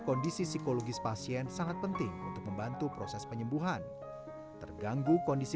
kondisi psikologis pasien sangat penting untuk membantu proses penyembuhan terganggu kondisi